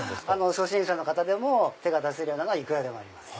初心者の方でも手が出せるものがいくらでもあります。